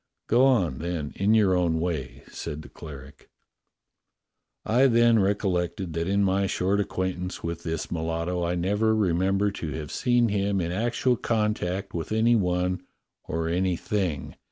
"Go on, then, in your own way," said the cleric. "I then recollected that in my short acquaintance with this mulatto I never remember to have seen him in actual contact with any one, or any thing.